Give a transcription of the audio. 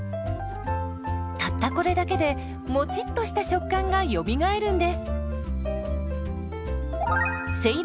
たったこれだけでもちっとした食感がよみがえるんです。